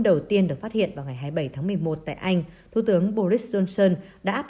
đầu tiên được phát hiện vào ngày hai mươi bảy tháng một mươi một tại anh thủ tướng boris johnson đã áp